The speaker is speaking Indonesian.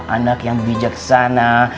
anak yang bijaksana